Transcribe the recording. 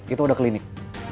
itu udah klinik